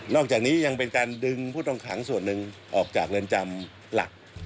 อกจากนี้ยังเป็นการดึงผู้ต้องขังส่วนหนึ่งออกจากเรือนจำหลัก